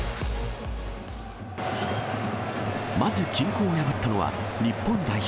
まず均衡を破ったのは日本代表。